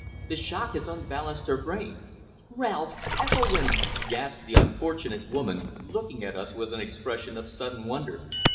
The shock has unbalanced her brain." "Ralph! Ethelwynn!" gasped the unfortunate woman, looking at us with an expression of sudden wonder.